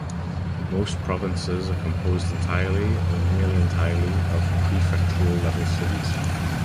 Most provinces are composed entirely or nearly entirely of prefectural level cities.